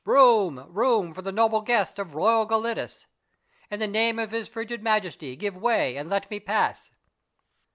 Room, room for the noble guest of royal Gelidus ! In the name of his frigid Majesty give way and let me pass